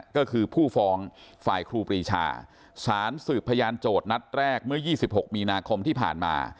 ก็คือผู้ฟ้องฝ่ายครูปรีชาสารสืบพยานโจทย์นัดแรกเมื่อ๒๖มีนาคมที่ผ่านมา